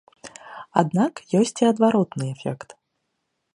Аднак ёсць і адваротны эфект.